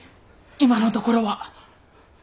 今のところは。